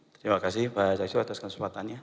terima kasih pak zaksu atas kesempatannya